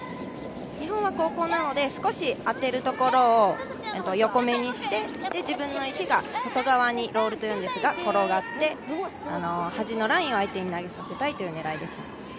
日本は後攻なので少し当てるところを横目にして自分の石が外側に、ロールというんですが、転がって端のラインを相手に投げさせたい狙いです。